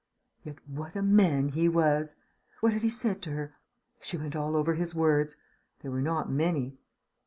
Yet what a man he was! What had he said to her? She went over all his words.... They were not many.